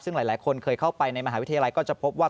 ซึ่งหลายคนเคยเข้าไปในมหาวิทยาลัยก็จะพบว่า